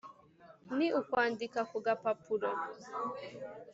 ni ukwandika ku gapapuro